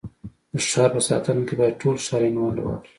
د ښار په ساتنه کي بايد ټول ښاریان ونډه واخلي.